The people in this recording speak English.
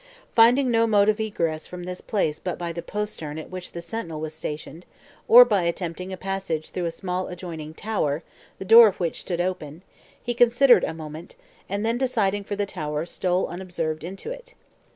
Finding no mode of egress from this place but by the postern at which the sentinel was stationed, or by attempting a passage through a small adjoining tower, the door of which stood open, he considered a moment, and then deciding for the tower, stole unobserved into it.